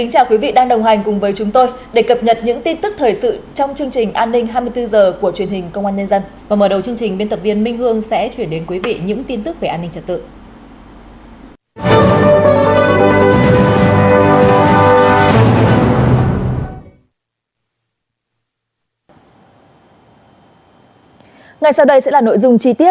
hãy đăng ký kênh để ủng hộ kênh của chúng mình nhé